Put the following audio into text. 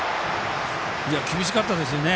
厳しかったですよね。